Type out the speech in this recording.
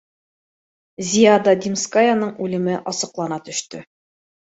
Зиада Димскаяның үлеме асыҡлана төштө